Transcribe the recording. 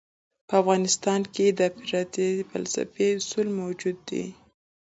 په افغانستان کې د اپارټایډ فلسفي اصول موجود دي.